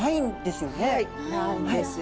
ないんですよ。